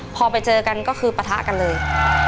พอไปเจอกันก็คือปะทะกันเลย